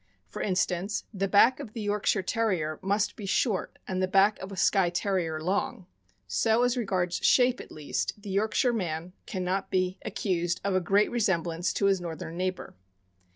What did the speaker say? For instance, the back of the Yorkshire Terrier must be short and the back of a Skye Terrier long; so as regards shape, at least, the Yorkshire man can not be (437) 438 THE AMERICAN BOOK OF THE DOG. accused of a great resemblance to his northern neighbor.